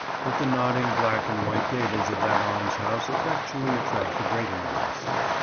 But the nodding black and white gables of that almshouse effectually attract the greater notice.